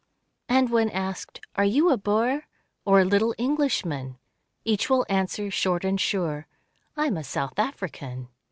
And when asked, "Are you a Boer. Or a little Englishman?" Each will answer, short and sure, "I am a South African."